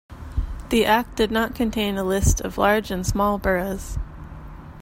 The Act did not contain a list of large and small burghs.